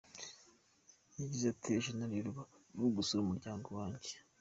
Yagize ati “ Ejo nari i Rubavu gusura umuryango wanjye.